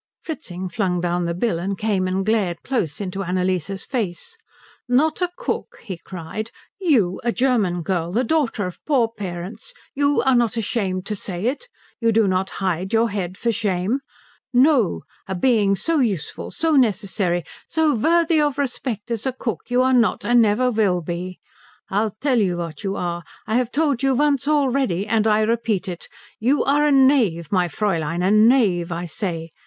Fritzing flung down the bill and came and glared close into Annalise's face. "Not a cook?" he cried. "You, a German girl, the daughter of poor parents, you are not ashamed to say it? You do not hide your head for shame? No a being so useful, so necessary, so worthy of respect as a cook you are not and never will be. I'll tell you what you are, I've told you once already, and I repeat it you are a knave, my Fräulein, a knave, I say.